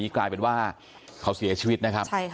เขาเสียชีวิตนะครับ